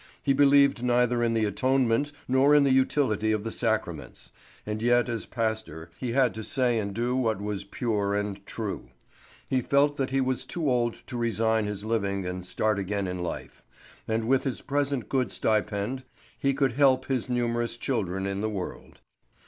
He believed neither in the atonement nor in the utility of the sacraments; and yet as pastor he had to say and do what was pure and true. He felt that he was too old to resign his living and start again in life; and with his present good stipend, he could help on his numerous children in the world.